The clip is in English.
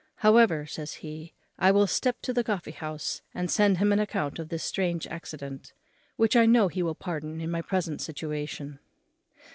"However," says he, "I will step to the coffee house, and send him an account of this strange accident, which I know he will pardon in my present situation."